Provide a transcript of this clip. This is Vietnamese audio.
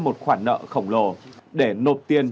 một khoản nợ khổng lồ để nộp tiền